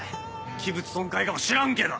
器物損壊かもしらんけど！